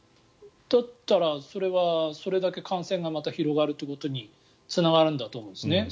だったらそれはそれだけ感染がまた広がるということにつながるんだと思うんですね。